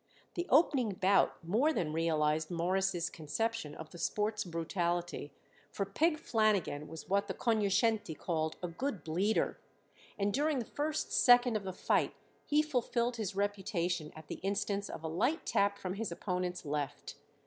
The opening bout more than realized Morris' conception of the sport's brutality, for Pig Flanagan was what the cognoscenti call a good bleeder, and during the first second of the fight he fulfilled his reputation at the instance of a light tap from his opponent's left.